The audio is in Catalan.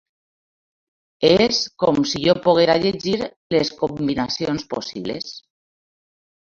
És com si jo poguera llegir les combinacions possibles.